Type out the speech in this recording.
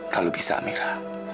kalau bisa amira